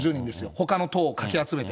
ほかの党をかき集めて。